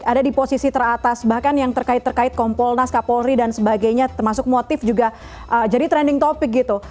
ada di posisi teratas bahkan yang terkait terkait kompolnas kapolri dan sebagainya termasuk motif juga jadi trending topic gitu